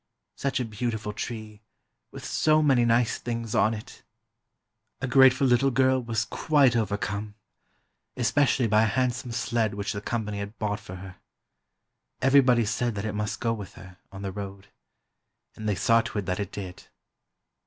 Such a beautiful tree, with so many nice things on it! A grateful little girl was quite overcome; especially by a handsome sled which the company had bought for her. Everybody said that it must go with her, on the road. And they saw to it that it did.